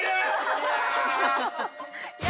◆いや！